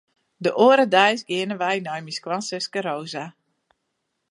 De oare deis geane wy nei myn skoansuske Rosa.